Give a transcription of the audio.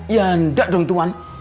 ya enggak dong tuhan